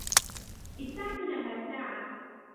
ابتعتُ لها ساعة.